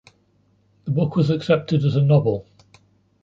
The book was accepted as a novel.